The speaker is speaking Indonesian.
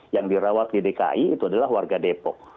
yang dirawat di dki itu adalah warga depok